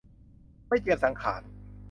ไม่เจียมสังขาร